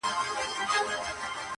چي مطلب ته په رسېږي هغه وايي،